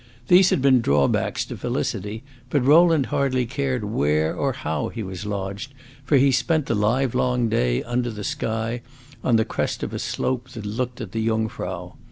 These had been drawbacks to felicity, but Rowland hardly cared where or how he was lodged, for he spent the livelong day under the sky, on the crest of a slope that looked at the Jungfrau.